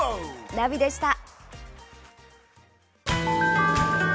ナビでした。